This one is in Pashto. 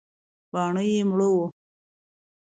بڼه يې مړه وه .